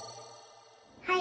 はい！